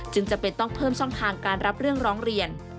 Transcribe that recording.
จำเป็นต้องเพิ่มช่องทางการรับเรื่องร้องเรียน